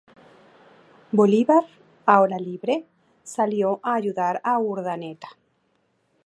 Bolívar, ahora libre, salió a ayudar a Urdaneta.